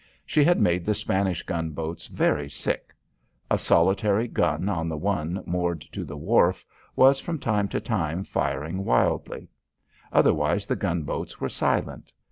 She had made the Spanish gunboats very sick. A solitary gun on the one moored to the wharf was from time to time firing wildly; otherwise the gunboats were silent.